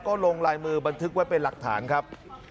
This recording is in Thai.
ก็ลงลายมือบันทึกไว้เป็นหลักฐานครับ